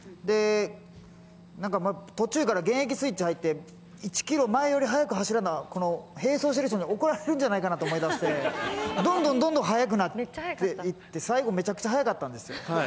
なんか途中から現役スイッチ入って１キロ前より速く走らな、並走してる人に怒られるんじゃないかなと思いだして、どんどんどんどん速くなっていって、最後、めちゃくちゃ速かったんですよ。